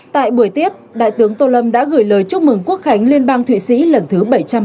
tại buổi tiếp đại tướng tô lâm đã gửi lời chúc mừng quốc hành liên bang thụy sĩ lần thứ bảy trăm ba mươi một